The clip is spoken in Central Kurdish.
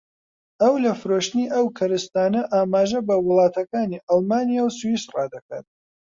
ئەو لە فرۆشتنی ئەو کەرستانە ئاماژە بە وڵاتەکانی ئەڵمانیا و سویسڕا دەکات